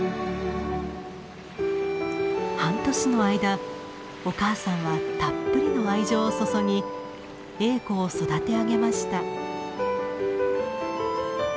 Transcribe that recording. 半年の間お母さんはたっぷりの愛情を注ぎエーコを育て上げました。